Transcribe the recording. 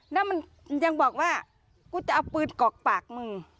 แล้วมันยังบอกว่ากูจะเอาปืนกอกปากมึง